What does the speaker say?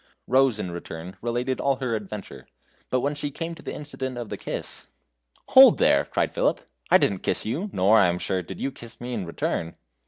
Rose, in return, related all her adventure; but when she came to the incident of the kiss "Hold there!" cried Philip; "I didn't kiss you, nor, I am sure, did you kiss me in return."